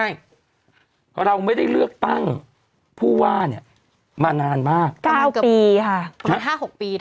ใช่เราไม่ได้เลือกตั้งผู้ว่าเนี่ยมานานมาก๙ปีค่ะประมาณ๕๖ปีนะ